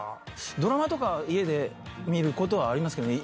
ドラマとか家で見ることはありますけどね